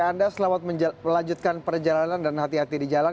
anda selamat melanjutkan perjalanan dan hati hati di jalan